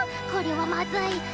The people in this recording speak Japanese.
これはまずい！